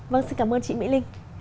vâng xin cảm ơn chị mỹ linh